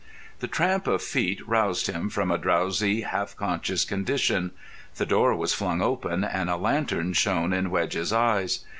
The tramp of feet roused him from a drowsy, half conscious condition. The door was flung open and a lantern shone in Wedge's eyes.